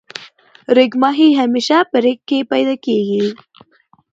ریګ ماهی همیشه په ریګ کی پیدا کیږی.